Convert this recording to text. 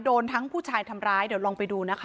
โดนทั้งผู้ชายทำร้ายเดี๋ยวลองไปดูนะคะ